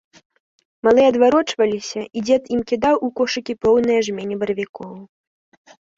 Малыя адварочваліся, і дзед ім кідаў у кошыкі поўныя жмені баравікоў.